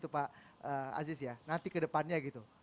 pak aziz ya nanti ke depannya gitu